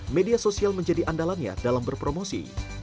media sosial menjadi andalannya dalam berpromosi